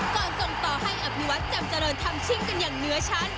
ก่อนส่งต่อให้อภิวัฒน์จำจริงทำชิ้นกันอย่างเนื้อชั้น